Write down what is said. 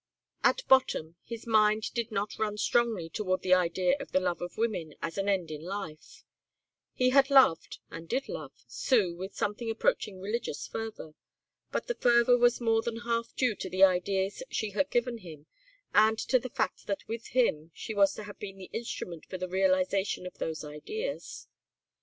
At bottom, his mind did not run strongly toward the idea of the love of women as an end in life; he had loved, and did love, Sue with something approaching religious fervour, but the fervour was more than half due to the ideas she had given him and to the fact that with him she was to have been the instrument for the realisation of those ideas.